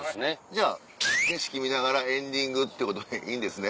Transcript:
じゃあ景色見ながらエンディングってことでいいんですね？